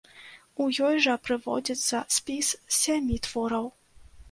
У ёй жа прыводзіцца спіс з сямі твораў.